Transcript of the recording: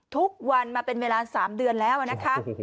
ทุกวันมาเป็นเวลา๓เดือนแล้วนะคะ